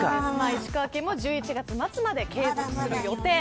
石川県も１１月末まで継続されていて。